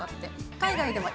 海外でも、え？